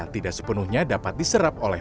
tidak sepenuhnya dapat diserap oleh